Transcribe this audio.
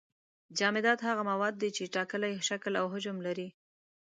جامدات هغه مواد دي چې ټاکلی شکل او حجم لري.